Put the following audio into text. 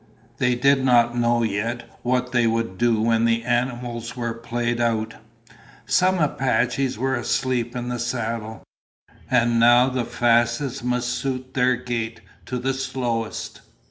They did not know yet what they would do when the animals were played out. Some Apaches were asleep in the saddle, and now the fastest must suit their gait to the slowest.